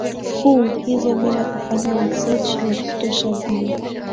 fu hizo bila kufanya research ya kutosha vile